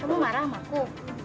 kamu marah sama aku